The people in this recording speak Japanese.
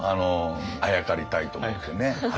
あやかりたいと思ってね。